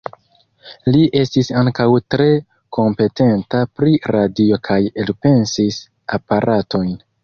Li estis ankaŭ tre kompetenta pri radio kaj elpensis aparatojn.